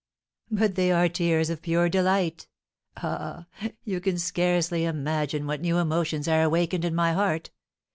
"But they are tears of pure delight. Ah, you can scarcely imagine what new emotions are awakened in my heart!